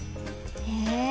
へえ。